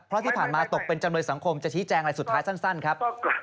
เพราะที่ผ่านมาตกเป็นจำเลยสังคมจะชี้แจงอะไรสุดท้ายสั้นครับ